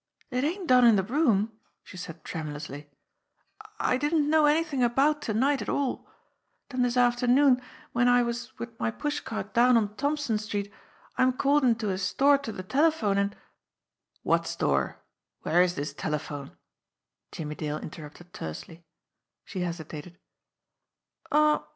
"It ain't done in de room," she said tremulously. "I didn't know anythin' about to night at all. Den dis afternoon w'en I was wid my pushcart down on Thompson Street I'm called into a store to de telephone, an' " "What store? Where is this telephone?" Jimmie Dale interrupted tersely. She hesitated.